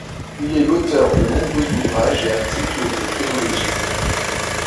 Il est l'auteur de nombreux ouvrages et articles de théologie.